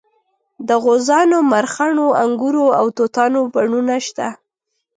د غوزانو مرخڼو انګورو او توتانو بڼونه شته.